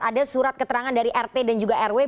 ada surat keterangan dari rt dan juga rw